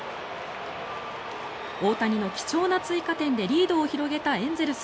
大谷の貴重な追加点でリードを広げたエンゼルス。